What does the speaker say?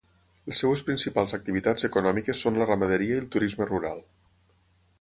Les seves principals activitats econòmiques són la ramaderia i el turisme rural.